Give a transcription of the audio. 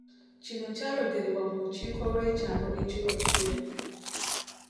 Kino kyayogerebwa mu lukiiko lw'ekyalo ekiro ekiwedde.